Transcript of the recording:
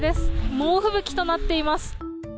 猛吹雪となっています。